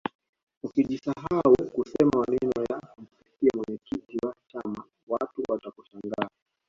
ukijisahau kusema maneno ya kumsifia mwenyekiti wa chama watu watakushangaa